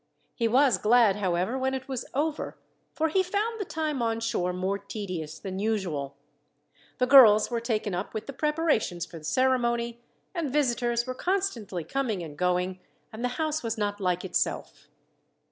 He was glad, however, when it was over, for he found the time on shore more tedious than usual. The girls were taken up with the preparations for the ceremony, and visitors were constantly coming and going, and the house was not like itself.